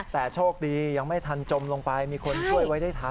แต่โชคดียังไม่ทันจมลงไปมีคนช่วยไว้ได้ทัน